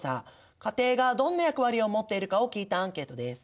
家庭がどんな役割を持っているかを聞いたアンケートです。